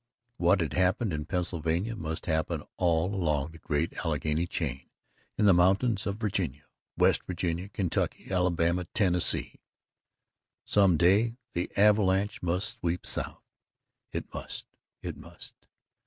What had happened in Pennsylvania must happen all along the great Alleghany chain in the mountains of Virginia, West Virginia, Kentucky, Alabama, Tennessee. Some day the avalanche must sweep south, it must it must.